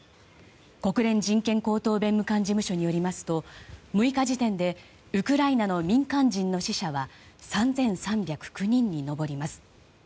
国連難民高等弁務官事務所によりますと６日時点でウクライナの民間人の死者は３３０９人に上ります。